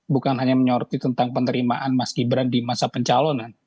bukan hanya menyorti tentang penerimaan mas gibran di masa pencalonan